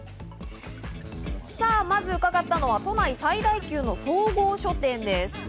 まず伺ったのは都内最大級の総合書店です。